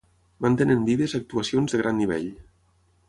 mantenen vives actuacions de gran nivell